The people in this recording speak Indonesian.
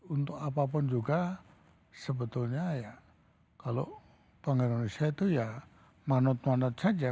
untuk apapun juga sebetulnya ya kalau bank indonesia itu ya manut manut saja